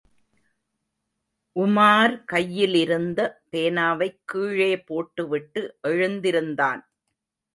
உமார் கையிலிருந்த பேனாவைக் கீழே போட்டுவிட்டு எழுந்திருந்தான்.